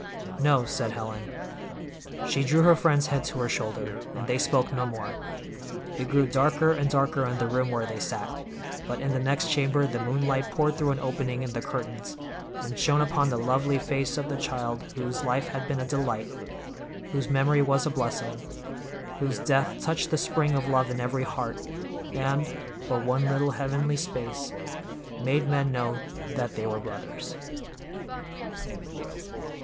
"No," said Helen. She drew her friend's head to her shoulder, and they spoke no more. It grew darker and darker in the room where they sat, but in the next chamber the moonlight poured through an opening in the curtains and shone upon the lovely face of the child whose life had been a delight, whose memory was a blessing, whose death touched the spring of love in every heart, and, for one little heavenly space, made men know that they were brothers.